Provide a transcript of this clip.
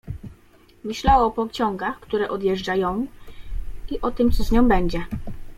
Myślała o pociągach, które odjeżdża ją, i o tym, co z nią będzie.